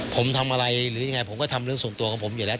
ผมทำอะไรหรือยังไงผมก็ทำเรื่องส่วนตัวของผมอยู่แล้ว